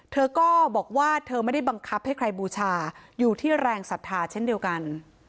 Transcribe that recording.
เธอก็บอกว่าเธอไม่ได้บังคับให้ใครบูชาอยู่ที่แรงศรัทธาเช่นเดียวกัน